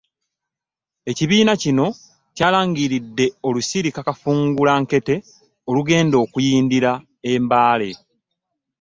Ekibiina kino kyalangiridde olusirika kafungulankete olugenda okuyindira e Mbale.